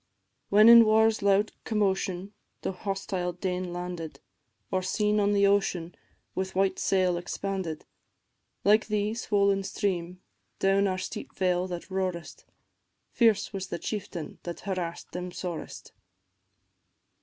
When in war's loud commotion the hostile Dane landed, Or seen on the ocean with white sail expanded, Like thee, swoll'n stream, down our steep vale that roarest, Fierce was the chieftain that harass'd them sorest.